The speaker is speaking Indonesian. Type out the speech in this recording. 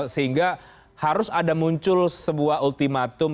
sehingga harus ada muncul sebuah ultimatum